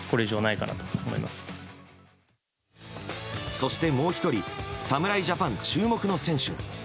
そしてもう１人侍ジャパン注目の選手。